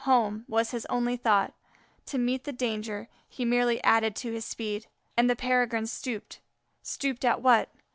home! was his only thought. To meet the danger, he merely added to his speed; and the Peregrine stooped; stooped at what?